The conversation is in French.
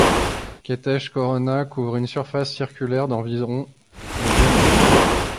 Qetesh Corona couvre une surface circulaire d'environ de diamètre.